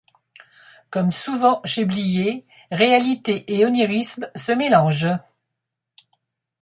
Comme souvent chez Blier, réalité et onirisme se mélangent.